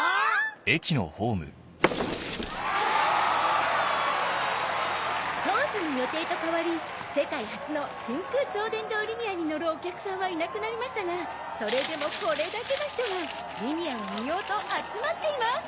はぁ⁉当初の予定と変わり世界初の真空超電導リニアに乗るお客さんはいなくなりましたがそれでもこれだけの人がリニアを見ようと集まっています！